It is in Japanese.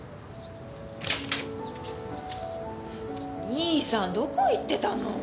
兄さんどこ行ってたの？